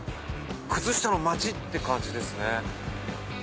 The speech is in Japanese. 「靴下のまち」って感じですね。